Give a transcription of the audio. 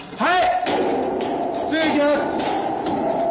はい！